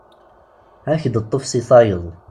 Ad ak-d-teṭṭef seg tayeḍ.